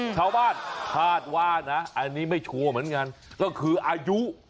ชาวบ้านคาดว่านะอันนี้ไม่ชัวร์เหมือนกันก็คืออายุ